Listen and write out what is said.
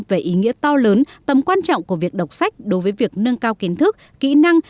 về ý nghĩa to lớn tầm quan trọng của việc đọc sách đối với việc nâng cao kiến thức kỹ năng